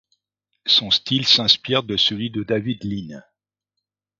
Son style s'inspire de celui de David Lean.